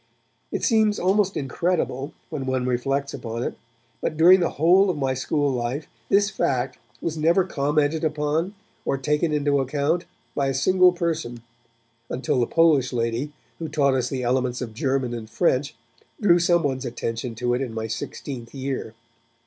It seems almost incredible, when one reflects upon it, but during the whole of my school life, this fact was never commented upon or taken into account by a single person, until the Polish lady who taught us the elements of German and French drew someone's attention to it in my sixteenth year.